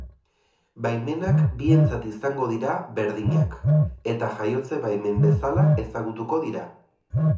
Baimenak bientzat izango dira berdinak eta jaiotze baimen bezala ezagutuko dira.